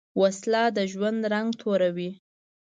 وسله د ژوند رنګ توروې